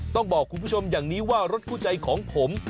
ต้องบอกคุณผู้ชมอย่างนี้ว่ารถคู่ใจของผม